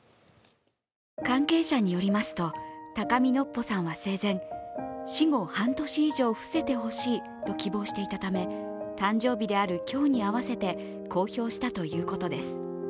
関係者によりますと、高見のっぽさんは生前死後半年以上伏せてほしいと希望していたため、誕生日である今日に合わせて公表したということです。